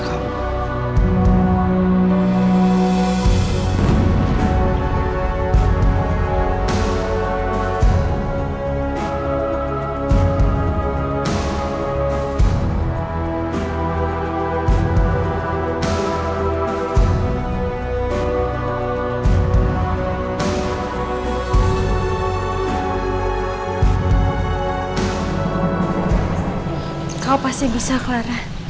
kau pasti bisa